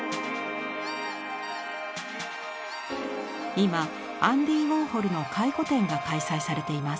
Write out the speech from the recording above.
今アンディ・ウォーホルの回顧展が開催されています。